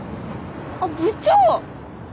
あっ部長。